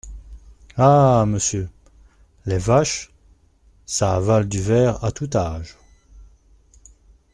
Ah ! monsieur, les vaches… ça avale du verre à tout âge…